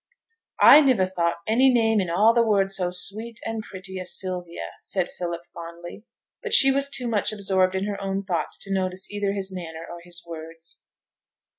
'I niver thought any name in a' the world so sweet and pretty as Sylvia,' said Philip, fondly; but she was too much absorbed in her own thoughts to notice either his manner or his words.